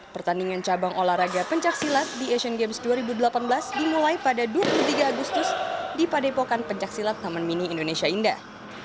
pertandingan cabang olahraga pencaksilat di asian games dua ribu delapan belas dimulai pada dua puluh tiga agustus di padepokan pencaksilat taman mini indonesia indah